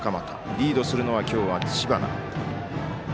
リードするのは今日は知花。